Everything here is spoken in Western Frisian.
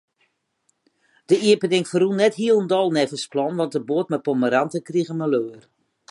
De iepening ferrûn net hielendal neffens plan, want de boat mei pommeranten krige maleur.